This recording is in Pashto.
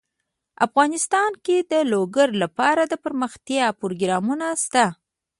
افغانستان کې د لوگر لپاره دپرمختیا پروګرامونه شته.